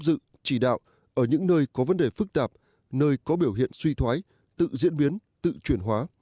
chỉ đạo ở những nơi có vấn đề phức tạp nơi có biểu hiện suy thoái tự diễn biến tự chuyển hóa